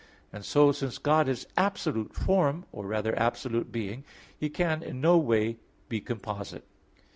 And so, since God is absolute form, or rather absolute being, He can be in no way composite.